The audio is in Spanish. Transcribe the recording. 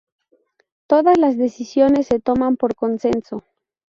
Todas las decisiones se toman por consenso.